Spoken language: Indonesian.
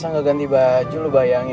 sampai jumpa lagi